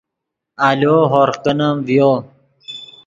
آلو ہورغ کینیم ڤیو